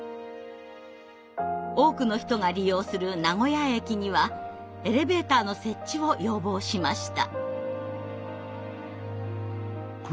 多くの人が利用する名古屋駅にはエレベーターの設置を要望しました。